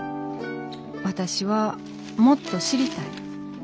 私はもっと知りたい。